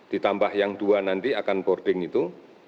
ditambah yang dua nanti akan boarding itu